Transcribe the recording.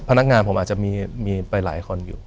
พนักงานผมอาจจะมีไปหลายคนอยู่